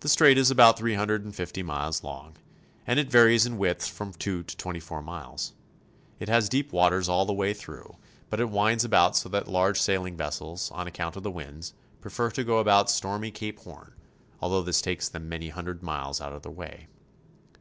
The strait is about three hundred and fifty miles long, and it varies in width from two to twenty four miles. It has deep waters all the way through, but it winds about so that large sailing vessels, on account of the winds, prefer to go about stormy Cape Horn, although this takes them many hundred miles out of their way.